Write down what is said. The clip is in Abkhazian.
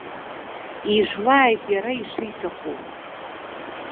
Ижәлааит иара ишиҭаху.